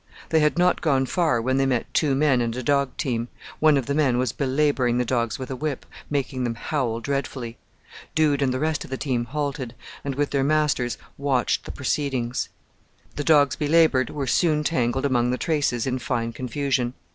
They had not gone far when they met two men and a dog team; one of the men was belabouring the dogs with a whip, making them howl dreadfully. Dude and the rest of the team halted, and, with their masters, watched the proceedings. The dogs belaboured were soon tangled among the traces in fine confusion.